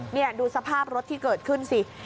นี่ดูสภาพรถที่เกิดขึ้นสิ